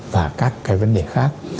và các cái vấn đề khác